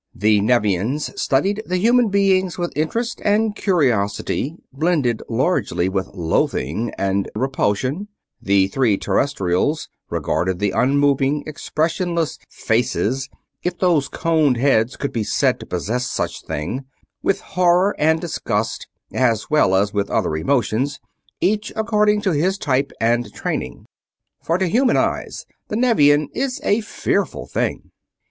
The Nevians studied the human beings with interest and curiosity blended largely with loathing and repulsion; the three Terrestrials regarded the unmoving, expressionless "faces" if those coned heads could be said to possess such thing with horror and disgust, as well as with other emotions, each according to his type and training. For to human eyes the Nevian is a fearful thing.